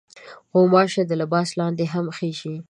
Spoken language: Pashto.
غوماشې د لباس لاندې هم خېژي.